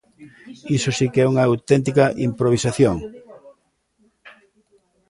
¡Iso si que é unha auténtica improvisación!